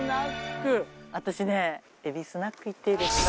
私ねえびスナックいっていいですか？